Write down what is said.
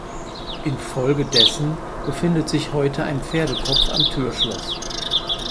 In Folge dessen befindet sich heute ein Pferdekopf am Türschloss.